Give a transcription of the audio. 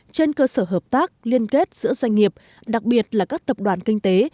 trên cơ sở hợp tác liên kết giữa doanh nghiệp đặc biệt là các tập đoàn kinh tế